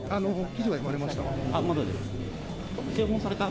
記事は読まれましたか？